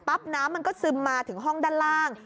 น้ำมันก็ซึมมาถึงห้องด้านล่าง